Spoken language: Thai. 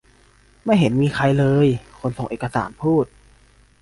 ไม่เห็นมีใครเลย คนส่งเอกสารพูด